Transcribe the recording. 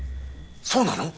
そうなの！？